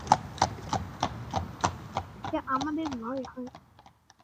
ওকে বেশী ধ্যানধারণা করতে দেখলে আমাদের ভয় হয়।